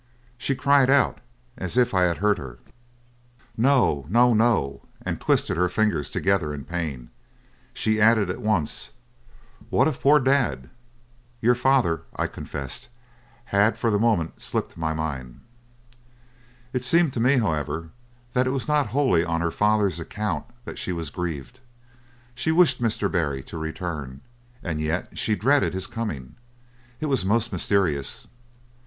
"She cried out, as if I had hurt her: 'No, no, no!' and twisted her fingers together in pain. She added at once: 'What of poor Dad?' "'Your father,' I confessed, 'had for the moment slipped my mind.' "It seemed to me, however, that it was not wholly on her father's account that she was grieved. She wished Mr. Barry to return, and yet she dreaded his coming. It was most mysterious.